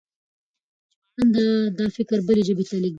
ژباړن دا فکر بلې ژبې ته لېږدوي.